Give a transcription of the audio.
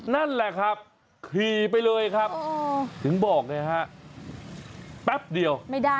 นั่นแหละครับขี่ไปเลยครับถึงบอกไงฮะแป๊บเดียวไม่ได้